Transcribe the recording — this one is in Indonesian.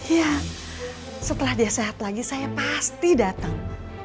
ya setelah dia sehat lagi saya pasti datang